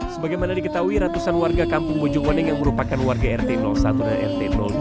sebagaimana diketahui ratusan warga kampung bojong boneng yang merupakan warga rt satu dan rt dua